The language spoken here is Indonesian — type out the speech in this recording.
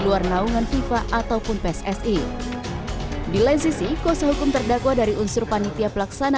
luar naungan viva ataupun pssi dilansisi kuasa hukum terdakwa dari unsur panitia pelaksana